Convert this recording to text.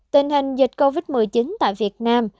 tình hình dịch covid một mươi chín tại việt nam